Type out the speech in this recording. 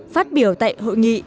phát biểu tại hội nghị